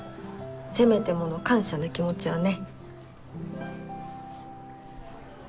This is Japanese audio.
せめてもの感謝の気持ちをね。